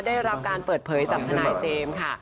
ได้รับการเปิดเผยจากทนายเจมส์ค่ะ